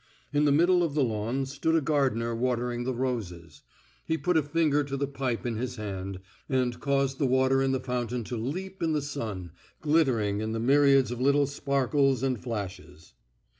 In the middle of the lawn stood a gardener watering the roses. He put a finger to the pipe in his hand, and caused the water in the fountain to leap in the sun, glittering in myriads of little sparkles and flashes.